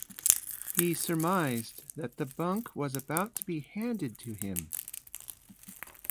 He surmised that the bunk was about to be handed to him.